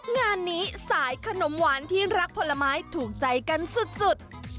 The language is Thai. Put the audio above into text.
งานนี้สายขนมหวานที่รักผลไม้ถูกใจกันสุด